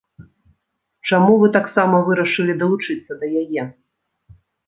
Чаму вы таксама вырашылі далучыцца да яе?